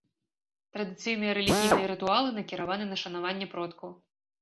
Традыцыйныя рэлігійныя рытуалы накіраваны на шанаванне продкаў.